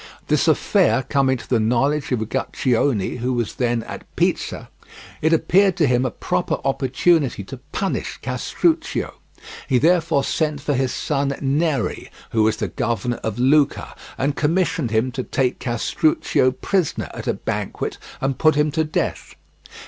This affair coming to the knowledge of Uguccione, who was then at Pisa, it appeared to him a proper opportunity to punish Castruccio. He therefore sent for his son Neri, who was the governor of Lucca, and commissioned him to take Castruccio prisoner at a banquet and put him to death.